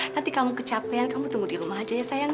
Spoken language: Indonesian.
tapi kamu kecapean kamu tunggu di rumah aja ya sayang